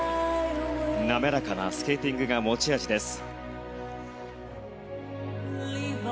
滑らかなスケーティングが持ち味です。